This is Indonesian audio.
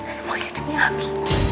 semuanya demi abi